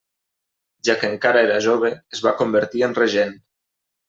Ja que encara era jove, es va convertir en regent.